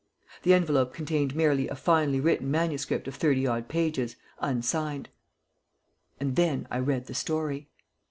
The envelope contained merely a finely written manuscript of thirty odd pages, unsigned. And then I read the story.